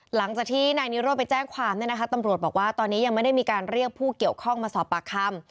หลังจากที่นายนิโรธไปแจ้งความเนี่ยนะคะตำรวจบอกว่าตอนนี้ยังไม่ได้มีการเรียกผู้เกี่ยวข้องมาสอบปากคำ